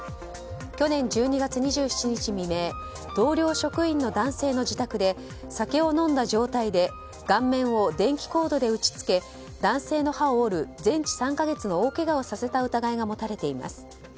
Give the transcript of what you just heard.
去年１２月２７日未明同僚職員の男性の自宅で酒を飲んだ状態で顔面を電気コードで打ち付け男性の歯を折る全治３か月の大けがをさせた疑いが持たれています。